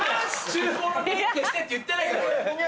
厨房の電気消してって言ってないから俺。